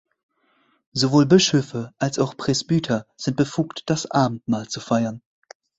Sowohl Bischöfe als auch Presbyter sind befugt, das Abendmahl zu feiern.